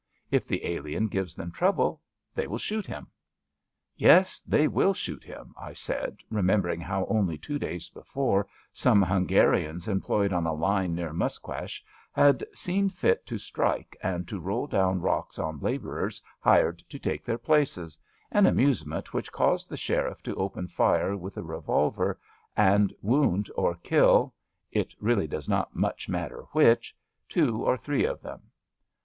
If the alien gives them trouble they will shoot him.' ^Yes, they will shoot him,'* I said, remember ing how only two days before some Hungarians employed on a line near Musquash had seen fit to strike and to roll down rocks on labourers hired to take their places, an amusement which caused the sheriff to open fire with a revolver and wound or kill (it really does not much matter which) two or three of them.